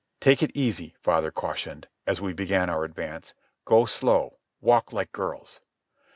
"Take it easy," father cautioned, as we began our advance. "Go slow. Walk like girls."